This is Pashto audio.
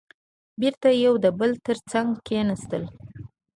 بېرته يو د بل تر څنګ کېناستل.